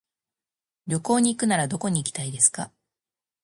旅行に行くならどこに行きたいですか。